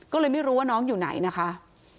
ก็เลยไม่รู้ว่าน้องอยู่ไหนนะคะ